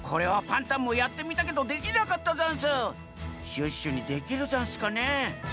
シュッシュにできるざんすかね？